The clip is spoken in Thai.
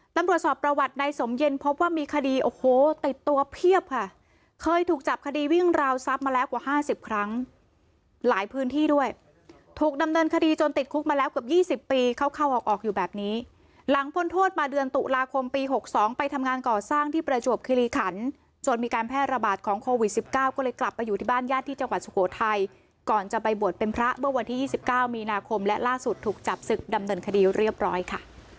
นำรวจสอบประวัติในสมเย็นพบว่ามีคดีโอ้โหติดตัวเพียบค่ะเคยถูกจับคดีวิ่งราวซับมาแล้วกว่าห้าสิบครั้งหลายพื้นที่ด้วยถูกดำเนินคดีจนติดคุกมาแล้วกว่าเกือบยี่สิบปีเข้าเข้าออกออกอยู่แบบนี้หลังพลโทษมาเดือนตุลาคมปีหกสองไปทำงานก่อสร้างที่ประจวบคิลิขันจนมีการแพร่ระ